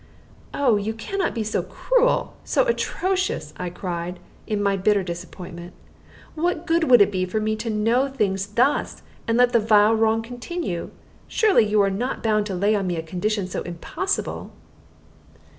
"Oh, you can not be so cruel, so atrocious!" I cried, in my bitter disappointment. "What good would it be for me to know things thus, and let the vile wrong continue? Surely you are not bound to lay on me a condition so impossible?"